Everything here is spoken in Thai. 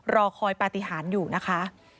รอคอยปฏิหารอยู่นะคะ